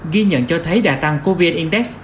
ghi nhận cho thấy đà tăng covid index